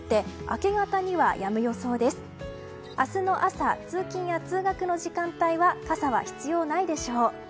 明日の朝、通勤や通学の時間帯は傘は必要ないでしょう。